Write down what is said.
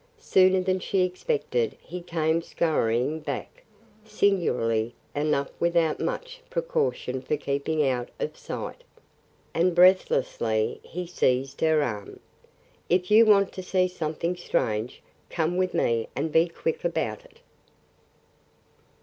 Sooner than she expected he came scurrying back, singularly enough without much precaution for keeping out of sight. And breathlessly he seized her arm. "If you want to see something strange, come with me and be quick about it!"